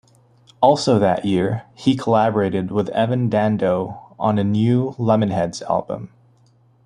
Also that year, he collaborated with Evan Dando on a new Lemonheads album.